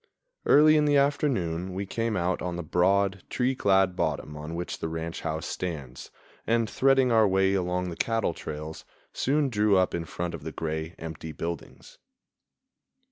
Early in the afternoon we came out on the broad, tree clad bottom on which the ranch house stands, and, threading our way along the cattle trails, soon drew up in front of the gray, empty buildings.